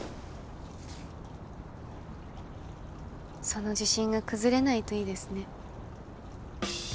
その自信が崩れないといいですね。